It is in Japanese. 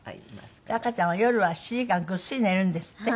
赤ちゃんは夜は７時間ぐっすり寝るんですって？